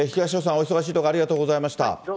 東尾さん、お忙しいところありがとうございました。